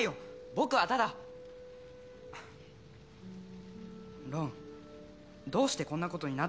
僕はただロンどうしてこんなことになったのか